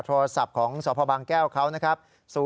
โทรศัพท์ของสพบางแก้วเขานะครับ